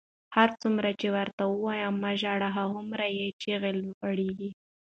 هرڅومره چې ورته وایم مه ژاړه، هغومره یې چیغې لوړېږي.